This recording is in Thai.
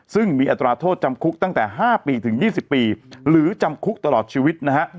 ซึ่งมีอัตราโทษจำคุกตั้งแต่๕ปีถึง๒๐ปีหรือจำคุกตลอดชีวิตนะฮะ